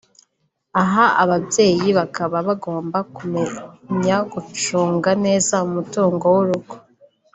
aha ababyeyi bakaba bagomba kumenya gucunga neza umutungo w’urugo